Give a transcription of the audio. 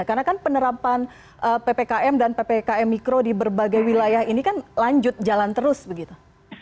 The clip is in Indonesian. karena kan penerapan ppkm dan ppkm mikro di berbagai wilayah ini kan lanjut jalan terus begitu